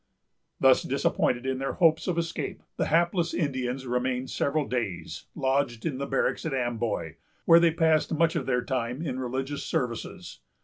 Thus disappointed in their hopes of escape, the hapless Indians remained several days lodged in the barracks at Amboy, where they passed much of their time in religious services.